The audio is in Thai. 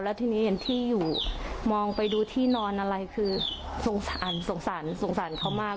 แล้วทีนี้เห็นที่อยู่มองไปดูที่นอนอะไรคือสงสารสงสารสงสารเขามาก